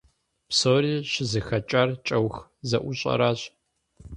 Псори щызэхэкӀар кӀэух зэӀущӀэращ.